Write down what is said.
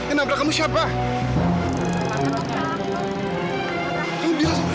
ini dia suaramu